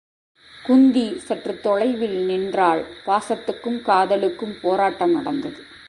குந்தி சற்றுத் தொலைவில் நின்றாள் பாசத்துக்கும் காதலுக்கும் போராட்டம் நடந்தது.